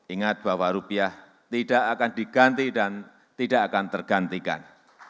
ingat bahwa rupiah tidak akan diganti dan tidak akan tergantikan